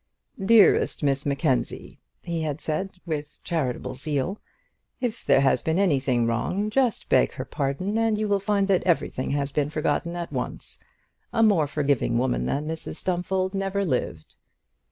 "Dearest Miss Mackenzie," he had said, with charitable zeal, "if there has been anything wrong, just beg her pardon, and you will find that everything has been forgotten at once; a more forgiving woman than Mrs Stumfold never lived."